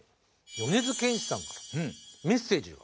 米津玄師さんからメッセージが。